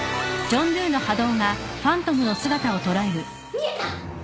見えた！